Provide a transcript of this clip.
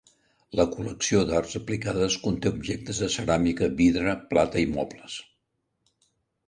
La col·lecció d'arts aplicades conté objectes de ceràmica, vidre, plata i mobles.